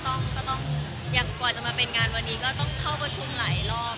ก็ต้องอย่างกว่าจะมาเป็นงานวันนี้ก็ต้องเข้าประชุมหลายรอบ